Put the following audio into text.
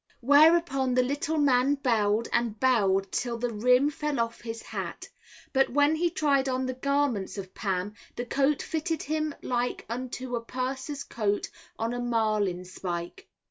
Whereupon the little man bowed and bowed till the rim fell off his hat; but when he tried on the garments of Pam, the coat fitted him like unto a purser's coat on a marlin spike.